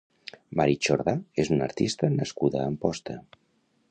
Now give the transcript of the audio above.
Mari Chordà és una artista nascuda a Amposta.